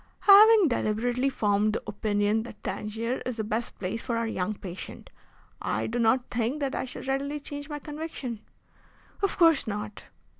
"Having deliberately formed the opinion that Tangier is the best place for our young patient, I do not think that I shall readily change my conviction." "Of course not."